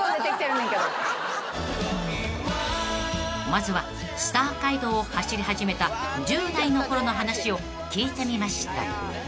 ［まずはスター街道を走り始めた１０代のころの話を聞いてみました］